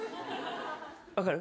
分かる？